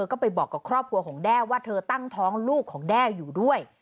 ก็ไปบอกกับครอบครัวของแด้ว่าเธอตั้งท้องลูกของแด้อยู่ด้วย